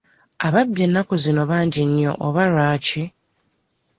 Ababbi ennaku zino bangi nnyo oba lwaki?